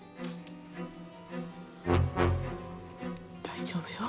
大丈夫よ。